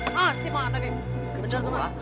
masih mata nih